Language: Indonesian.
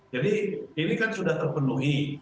jadi ini kan sudah terpenuhi